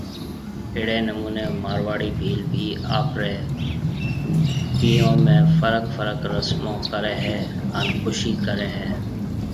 اهڙي نموني مارواڙي ڀيل بِي آپري بيھون۾ فرق فرق رسمون ڪري هي هان خوشي ڪري هي